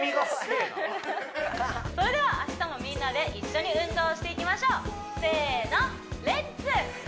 それでは明日もみんなで一緒に運動していきましょうせーの「レッツ！